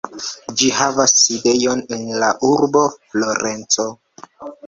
Ĝi havas sidejon en la urbo Florenco.